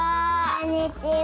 こんにちは。